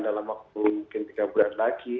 dalam waktu mungkin tiga bulan lagi